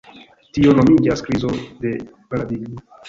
Tio nomiĝas "krizo de paradigmo".